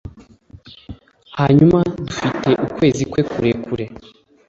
hanyuma dufate ukwezi kwe kurekure,